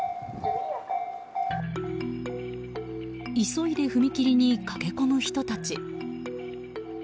急いで踏切に駆け込む人たち。